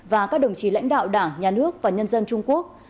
và các đồng chí lãnh đạo đảng nhà nước và nhân dân trung quốc